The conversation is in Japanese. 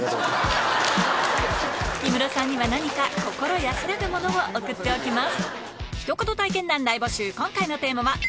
木村さんには何か心安らぐものを送っておきます